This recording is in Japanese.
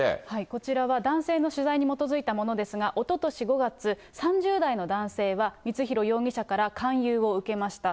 こちらは男性の取材に基づいたものですが、おととし５月、３０代の男性は、光弘容疑者から勧誘を受けました。